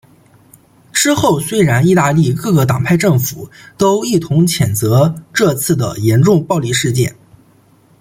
之后虽然意大利各个党派政府都一同谴责这次的严重暴力事件。